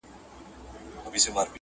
په وینا سو په کټ کټ سو په خندا سو؛